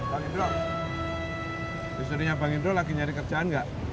bang indro istrinya bang indro lagi nyari kerjaan nggak